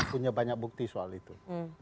punya banyak bukti soal itu